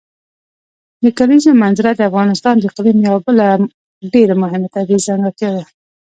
د کلیزو منظره د افغانستان د اقلیم یوه بله ډېره مهمه طبیعي ځانګړتیا ده.